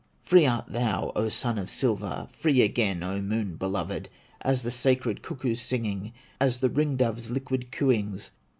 Free art thou, O Sun of silver, Free again, O Moon beloved, As the sacred cuckoo's singing, As the ring dove's liquid cooings.